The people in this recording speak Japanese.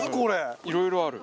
いろいろある。